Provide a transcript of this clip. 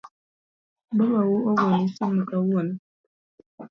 Babau ogoni simu kawuono?